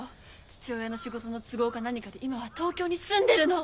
父親の仕事の都合か何かで今は東京に住んでるの。